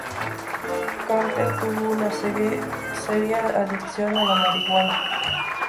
Carter tuvo una seria adicción a la marihuana.